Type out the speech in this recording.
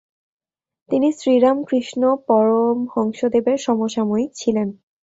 তিনি শ্রীরামকৃষ্ণ পরমহংসদেবের সমসাময়িক ছিলেন।